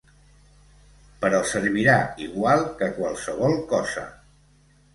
Però servirà igual que qualsevol cosa!